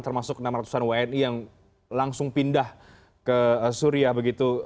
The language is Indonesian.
termasuk enam ratusan wni yang langsung pindah ke syria begitu